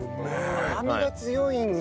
甘みが強いんだ。